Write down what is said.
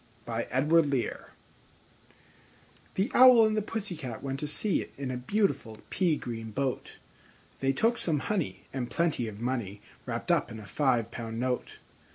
I. The Owl and the Pussy Cat went to sea In a beautiful pea green boat: They took some honey, and plenty of money Wrapped up in a five pound note.